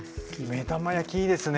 目玉焼きいいですね。